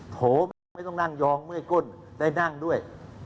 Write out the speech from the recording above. โถแบบไม่ต้องนั่งยองเมื่อยก้นได้นั่งด้วย